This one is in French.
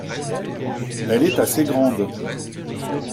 Elle est assez grande.